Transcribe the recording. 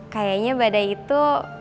kayaknya badai itu